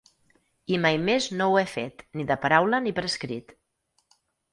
I mai més no ho he fet, ni de paraula ni per escrit.